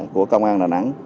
của công an đà nẵng